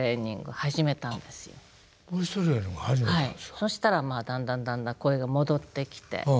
そしたらだんだんだんだん声が戻ってきて。